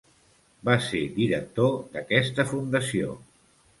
Va ser director d'aquesta fundació.